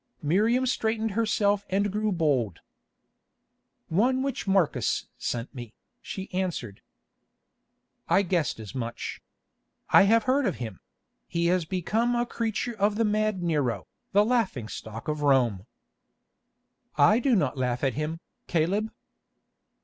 Miriam straightened herself and grew bold. "One which Marcus sent me," she answered. "I guessed as much. I have heard of him; he has become a creature of the mad Nero, the laughing stock of Rome." "I do not laugh at him, Caleb."